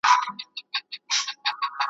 ګوندي دی مي برابر د کور پر خوا کړي `